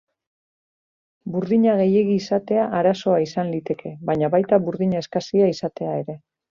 Burdina gehiegi izatea arazoa izan liteke, baina baita burdina eskasia izatea ere.